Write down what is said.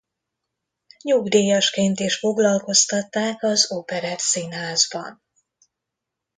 Nyugdíjasként is foglalkoztatták az Operettszínházban.